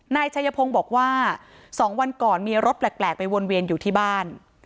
นายชัยพงศ์บอกว่า๒วันก่อนมีรถแปลกไปวนเวียนอยู่ที่บ้าน